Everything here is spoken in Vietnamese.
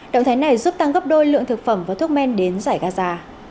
động thái này giúp tăng gấp đôi lượng thực phẩm và thuốc men đến giải gaza